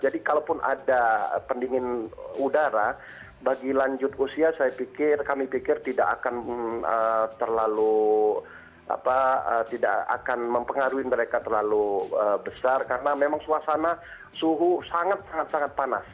kalaupun ada pendingin udara bagi lanjut usia saya pikir kami pikir tidak akan terlalu tidak akan mempengaruhi mereka terlalu besar karena memang suasana suhu sangat sangat panas